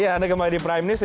ya anda kembali di prime news